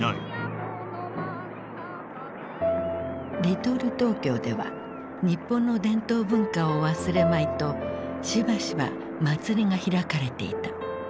リトル・トーキョーでは日本の伝統文化を忘れまいとしばしば祭りが開かれていた。